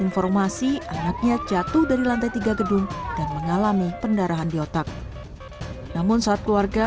informasi anaknya jatuh dari lantai tiga gedung dan mengalami pendarahan di otak namun saat keluarga